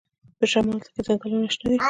په شمال کې ځنګلونه شنه دي.